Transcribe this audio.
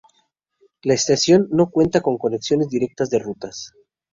La estación no cuenta con conexiones directas de rutas.